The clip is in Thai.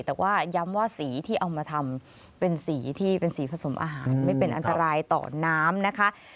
แต่ว่าย้ำว่าสีที่เอามาทำเป็นสีผสมอาหารไม่เป็นอันตรายต่อน้ำ